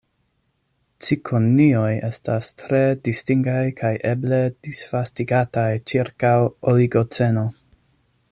Cikonioj estas tre distingaj kaj eble disvastigataj ĉirkaŭ Oligoceno.